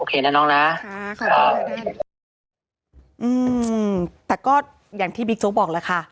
โอเคนะน้องนะครับอืมแต่ก็อย่างที่บิ๊กโจ๊กบอกแหละค่ะ